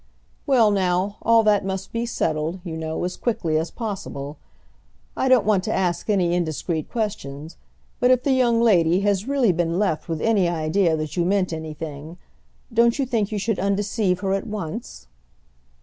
Well, now, all that must be settled, you know, as quickly as possible. I don't want to ask any indiscreet questions; but if the young lady has really been left with any idea that you meant anything, don't you think you should undeceive her at once?"